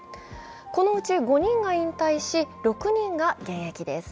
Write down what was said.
このうち５人が引退し６人が現役です。